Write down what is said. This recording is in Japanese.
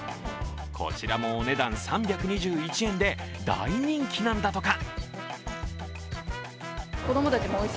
こちらもお値段３２１円で大人気なんだとか。